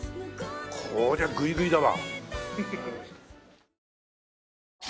こりゃグイグイだな。